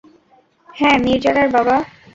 হ্যাঁ, নির্জারার বাবা।